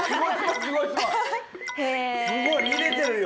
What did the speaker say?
すごい見れてるよ。